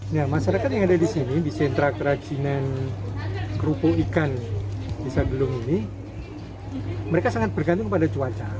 nah masyarakat yang ada di sini di sentra kerajinan kerupuk ikan desa gelung ini mereka sangat bergantung kepada cuaca